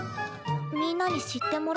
みんなに知ってもらわなきゃ。